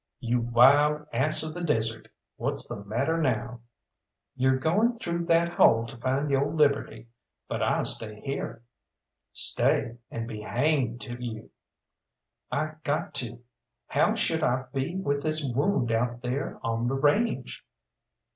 "You wild ass of the desert! What's the matter now?" "You're goin' through that hole to find yo' liberty, but I stay here." "Stay, and be hanged to you." "I got to. How should I be with this wound out there on the range?"